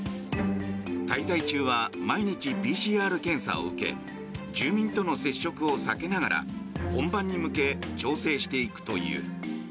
滞在中は毎日、ＰＣＲ検査を受け住民との接触を避けながら本番に向け調整していくという。